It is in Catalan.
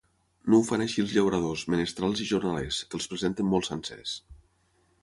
No ho fan així els llauradors, menestrals i jornalers, que els presenten molt sencers.